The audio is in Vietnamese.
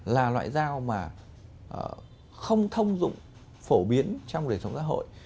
là loại dao mà không thông dụng phổ biến trong đời sống xã hội